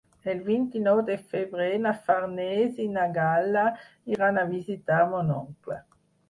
El vint-i-nou de febrer na Farners i na Gal·la iran a visitar mon oncle.